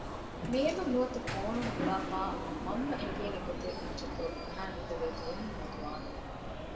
މޭލުން ނުވަތަ ފޯނުން ގުޅާފައި މަންމަ އެނގޭނެ ގޮތެއް ވެއްޖެތޯ އަހައިނުލެވޭ ދުވަހެއް މަދުވާނެ